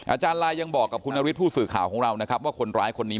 อาจารย์ลายยังบอกกับคุณนฤทธิผู้สื่อข่าวของเรานะครับว่าคนร้ายคนนี้